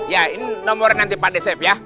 yah ini nomornya nanti pak decep ya